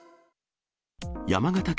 山形県